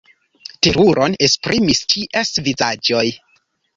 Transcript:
Teruron esprimis ĉies vizaĝoj.